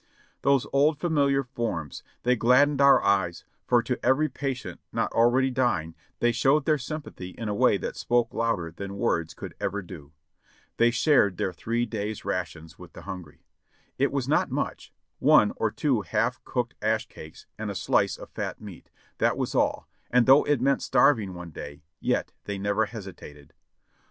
Those old familiar forms, they gladdened our eyes, for to every patient not already dying, they showed their sympathy in a way that spoke louder than words could ever do ; they shared their three days' rations with the hungry ; it was not much, one or two half cooked ash cakes and a slice of fat meat, that was all, and though it meant starving one day, yet they never hesitated.